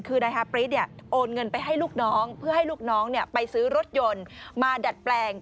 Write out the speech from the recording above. คือนายฮาปริศโอนเงินไปให้ลูกน้องเพื่อให้ลูกน้องไปซื้อรถยนต์มาดัดแปลง